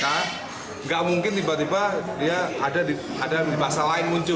tidak mungkin tiba tiba dia ada di masa lain muncul